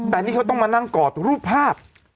แต่นี่เขาต้องมานั่งกอดรูปภาพ